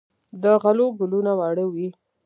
د غلو ګلونه واړه وي.